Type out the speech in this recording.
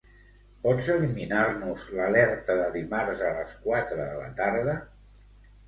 Pots eliminar-nos l'alerta de dimarts a les quatre de la tarda?